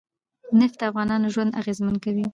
نفت د افغانانو ژوند اغېزمن کوي.